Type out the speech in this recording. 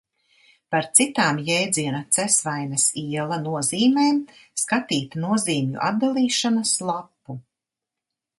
Par citām jēdziena Cesvaines iela nozīmēm skatīt nozīmju atdalīšanas lapu.